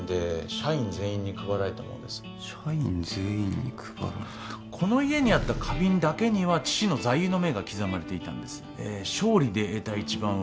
社員全員に配られたこの家にあった花瓶だけには父の座右の銘が刻まれていました「勝利で得た一番は」